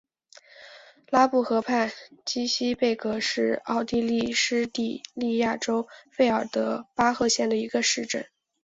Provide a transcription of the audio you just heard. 拉布河畔基希贝格是奥地利施蒂利亚州费尔德巴赫县的一个市镇。